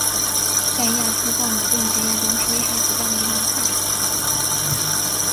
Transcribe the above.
在亚洲的稻米种植业中是危害极大的一种杂草。